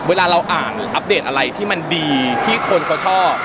เวลาเราอ่านหรืออัปเดตอะไรที่มันดีที่คนเขาชอบ